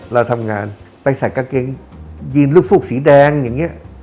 เราทำงานไปใส่กางเกงยีนลูกซูกสีแดงอย่างนี้